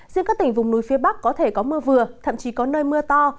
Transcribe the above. riêng các tỉnh vùng núi phía bắc có thể có mưa vừa thậm chí có nơi mưa to